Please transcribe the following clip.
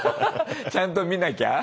ちゃんと見なきゃ。